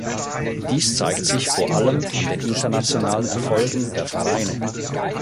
Dies zeigt sich vor allem an den internationalen Erfolgen der Vereine.